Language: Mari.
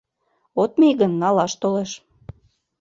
От мий гын, налаш толеш.